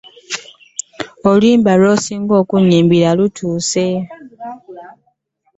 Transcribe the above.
Oluyimba lwasinag okunyumirwa lwali lutuuse .